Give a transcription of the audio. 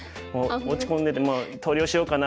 落ち込んでて「もう投了しようかな？